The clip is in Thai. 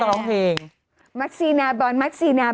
กรมป้องกันแล้วก็บรรเทาสาธารณภัยนะคะ